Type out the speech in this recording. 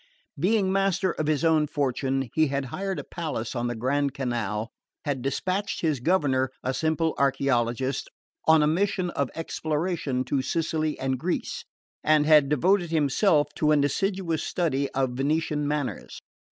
Being master of his own fortune, he had hired a palace on the Grand Canal, had dispatched his governor (a simple archaeologist) on a mission of exploration to Sicily and Greece, and had devoted himself to an assiduous study of Venetian manners.